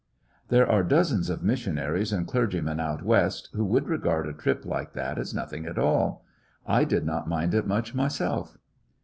There are dozens of missionaries and clergy men out West who would regard a trip like that as nothing at all. I did not mind it much myself.